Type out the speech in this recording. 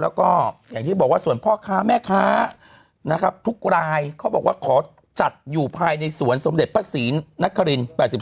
แล้วก็อย่างที่บอกว่าส่วนพ่อค้าแม่ค้านะครับทุกรายเขาบอกว่าขอจัดอยู่ภายในสวนสมเด็จพระศรีนคริน๘๒